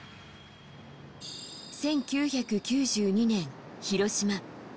１９９２年、広島。